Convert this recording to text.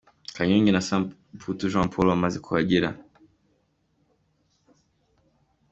Kanyombya na Samputu Jean Paul bamaze kuhagera.